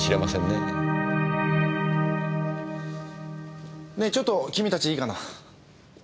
ねえちょっと君たちいいかな？